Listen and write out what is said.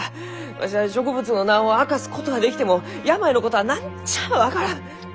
わしは植物の名を明かすことはできても病のことは何ちゃあ分からん！